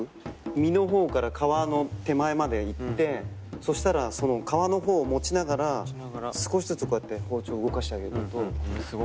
身のほうから皮の手前まで行ってそしたらその皮のほうを持ちながら少しずつこうやって包丁を動かしてあげると。